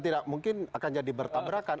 tidak mungkin akan jadi bertabrakan